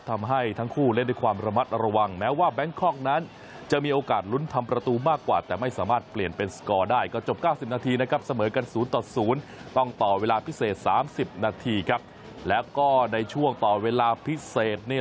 ทำให้ทั้งคู่เล่นด้วยความระมัดระวังแม้ว่าแมงคอล์กนั้น